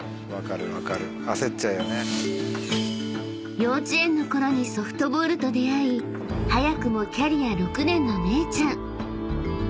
［幼稚園のころにソフトボールと出合い早くもキャリア６年のめいちゃん］